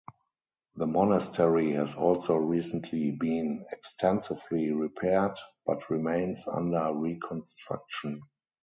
The monastery has also recently been extensively repaired, but remains under reconstruction.